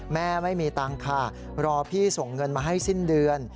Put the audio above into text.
แม่ไม่มีตังค์ค่ะรอพี่ส่งเงินมาให้สิ้นเดือน